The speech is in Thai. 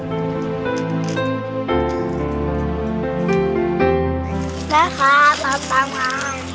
แม่ค่ะต้องตามมา